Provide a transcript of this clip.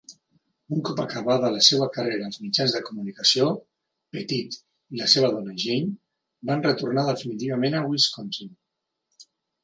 Un cop acabada la seva carrera als mitjans de comunicació, Pettit i la seva dona Jane van retornar definitivament a Wisconsin.